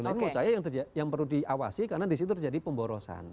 nah ini menurut saya yang perlu diawasi karena disitu terjadi pemborosan